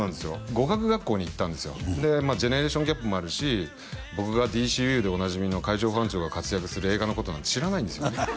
語学学校に行ったんですよでジェネレーションギャップもあるし僕が「ＤＣＵ」でおなじみの海上保安庁が活躍する映画のことなんて知らないんですよ